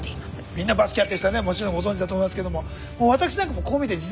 みんなバスケやってる人はねもちろんご存じだと思いますけれども私なんかもこう見えて実はですね